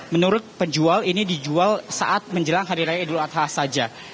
menurut penjual ini dijual saat menjelang hari raya idul adha saja